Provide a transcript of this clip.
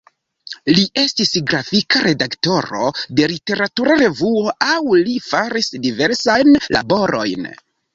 Li estis grafika redaktoro de literatura revuo aŭ li faris diversajn laborojn.